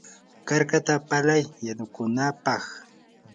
karkata palay yanukunapaq.